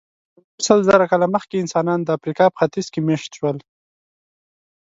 یونیمسلزره کاله مخکې انسانان د افریقا په ختیځ کې مېشته شول.